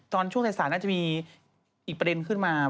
ตอนช่วงศักดิ์ศาสตร์น่าจะมีอีกประเด็นขึ้นมา